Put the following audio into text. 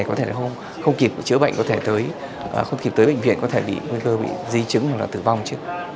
có thể là không kịp chữa bệnh có thể không kịp tới bệnh viện có thể bị nguy cơ bị di chứng hoặc là tử vong chứ